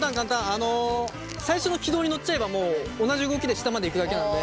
あの最初の軌道に乗っちゃえばもう同じ動きで下までいくだけなので。